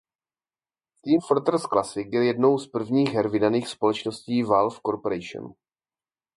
Team Fortress Classic je jednou z prvních her vydaných společností Valve Corporation.